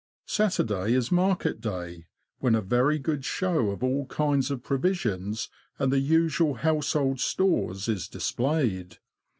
Saturday is market day, when a very good show of all kinds of provisions and the usual household stores is displayed.